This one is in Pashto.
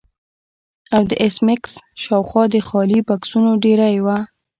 او د ایس میکس شاوخوا د خالي بکسونو ډیرۍ وه